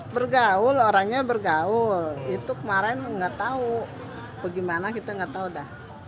bergaul orangnya bergaul itu kemarin nggak tahu bagaimana kita nggak tahu dah